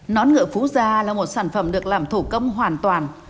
nón ngựa phú gia là một sản phẩm được làm thủ công hoàn toàn